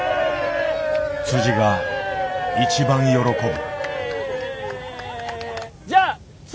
が一番喜ぶ。